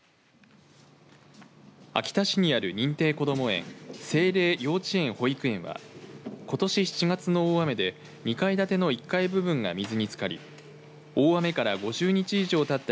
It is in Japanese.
秋田市にある認定こども園聖霊幼稚園・保育園はことし７月の大雨で２階建ての１階部分が水につかり大雨から５０日以上たった